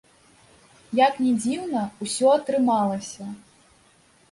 Як ні дзіўна, усё атрымалася.